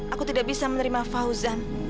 aku tidak bisa menerima fauzan